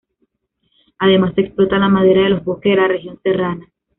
Además se explota la madera de los bosques de la región serrana.